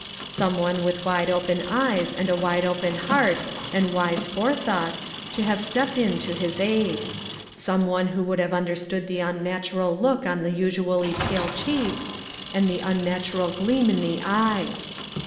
Some one with wide open eyes, and wide open heart, and wise forethought, to have stepped in to his aid ; some one who would have understood the unnatural look on the usually pale cheeks, and the unna tural gleam in the eyes.